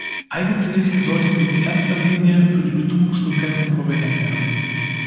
Eigentlich sollten sie in erster Linie für die Betrugsbekämpfung verwendet werden.